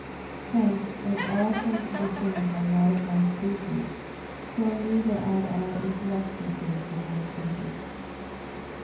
Hence, as all sensible things are not of one species, so neither are all intellectual things of one species.